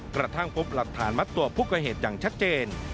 กระทั่งพบหลักฐานมัดตัวผู้ก่อเหตุอย่างชัดเจน